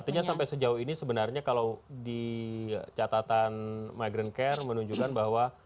artinya sampai sejauh ini sebenarnya kalau di catatan migrant care menunjukkan bahwa